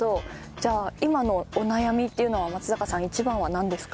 じゃあ今のお悩みっていうのは松坂さん一番はなんですか？